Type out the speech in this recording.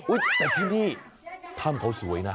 อุ๊ยแต่ที่นี่ธรรมเขาสวยนะ